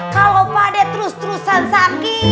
kalo pak dek terus terusan sakit